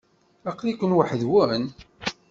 Aql-iken weḥd-nwen?